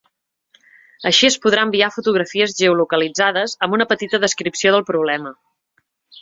Així es podrà enviar fotografies geolocalitzades amb una petita descripció del problema.